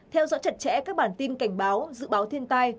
theo dõi chặt chẽ các bản tin cảnh báo dự báo thiên tai